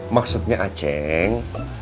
maksudnya a ceng